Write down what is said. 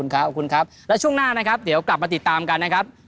ขอบคุณครับแล้วช่วงหน้านะครับเดี๋ยวกลับมาติดตามกันนะครับ